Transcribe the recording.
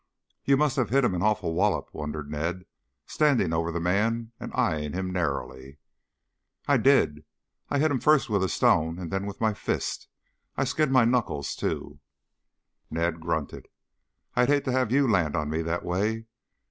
"You must have hit him an awful wallop," wondered Ned, standing over the man and eyeing him narrowly. "I did. I hit him first with a stone, then with my fist. I skinned my knuckles, too." Ned grunted. "I'd hate to have you land on me that way.